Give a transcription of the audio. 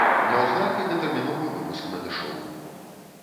Няўзнак і датэрміновы выпуск надышоў.